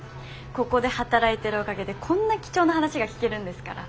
ここで働いてるおかげでこんな貴重な話が聞けるんですから。